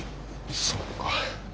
そうか。